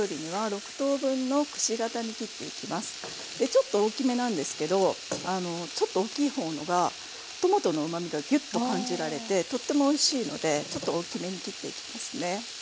ちょっと大きめなんですけどちょっと大きい方がトマトのうまみがギュッと感じられてとってもおいしいのでちょっと大きめに切っていきますね。